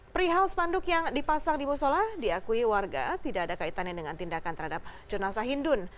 perihal spanduk yang dipasang di musola diakui warga tidak ada kaitannya dengan tindakan terhadap jenazah hindun